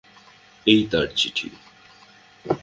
এই তাঁর চিঠি।